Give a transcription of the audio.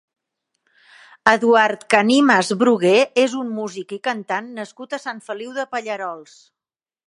Eduard Canimas Brugué és un músic i cantant nascut a Sant Feliu de Pallerols.